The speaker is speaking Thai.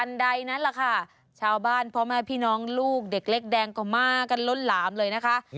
ใดนั้นแหละค่ะชาวบ้านพ่อแม่พี่น้องลูกเด็กเล็กแดงก็มากันล้นหลามเลยนะคะ